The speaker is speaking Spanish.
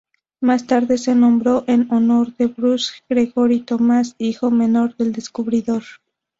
Más tarde se nombró en honor de Bruce Gregory Thomas, hijo menor del descubridor.